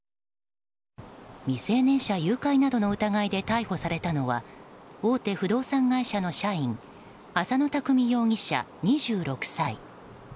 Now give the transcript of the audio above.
未成年者誘拐の疑いで逮捕されたのは大手不動産会社の社員浅野拓未容疑者、２６歳。